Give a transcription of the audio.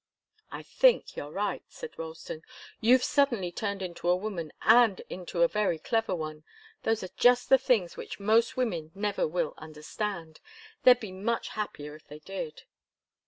"I think you're right," said Ralston. "You've suddenly turned into a woman, and into a very clever one. Those are just the things which most women never will understand. They'd be much happier if they did."